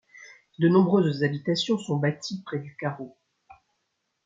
De nombreuses habitations sont bâties près du carreau.